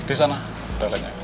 di sana toiletnya